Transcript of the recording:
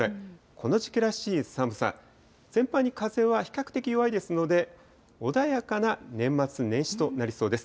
この時期らしい寒さ、全般に風は比較的弱いですので、穏やかな年末年始となりそうです。